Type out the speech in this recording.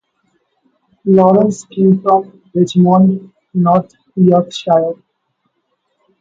Lawrence came from Richmond, North Yorkshire.